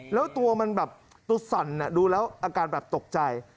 แล้วตัวมันแบบตัวสั่นดูแล้วอาการแบบตกใจ